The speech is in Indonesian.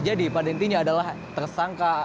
jadi pada intinya adalah tersangka